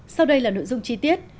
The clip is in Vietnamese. sau đây là nội dung chi tiết